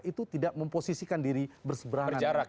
itu tidak memposisikan diri berseberangan